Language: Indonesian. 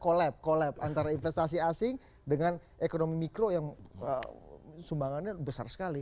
kolab collab antara investasi asing dengan ekonomi mikro yang sumbangannya besar sekali